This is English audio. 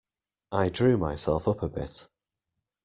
I drew myself up a bit.